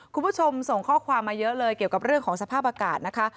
คุณผู้ชมส่งข้อความมาเยอะเลยเกี่ยวกับเรื่องของสภาพอากาศนะคะ